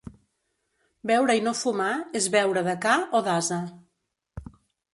Beure i no fumar és beure de ca o d'ase.